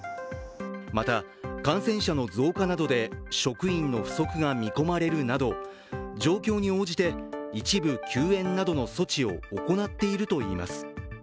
また、感染者の増加などで職員の不足が見込まれるなど、状況に応じて、一部休園などの措置を行っているといいます。